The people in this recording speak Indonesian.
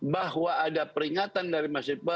bahwa ada peringatan dari mas iqbal